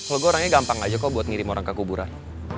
logo orangnya gampang aja kok buat ngirim orang ke kuburan